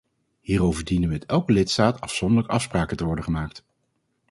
Hierover dienen met elke lidstaat afzonderlijk afspraken te worden gemaakt.